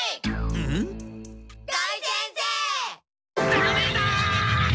ダメだ！